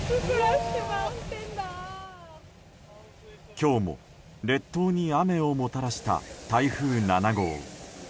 今日も列島に雨をもたらした台風７号。